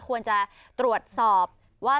ควรจะตรวจสอบว่า